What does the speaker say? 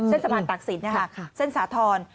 เส้นสะพานตักสินเส้นสาธรณ์